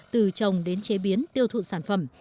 từ trồng đến chế biến tiêu thụ sản phẩm